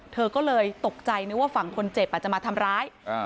เธอก็เลยตกใจนึกว่าฝั่งคนเจ็บอาจจะมาทำร้าย